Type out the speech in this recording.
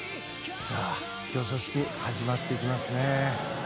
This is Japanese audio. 表彰式始まっていきます。